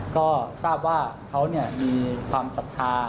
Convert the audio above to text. ก็ทราบว่าเขามีความศรัทธา